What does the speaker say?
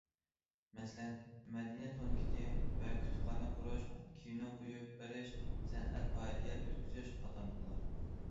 مەسىلەن: مەدەنىيەت پونكىتى ۋە كۇتۇپخانا قۇرۇش، كىنو قويۇپ بېرىش، سەنئەت پائالىيىتى ئۆتكۈزۈش قاتارلىقلار.